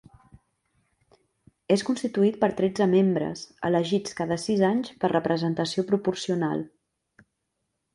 És constituït per tretze membres, elegits cada sis anys per representació proporcional.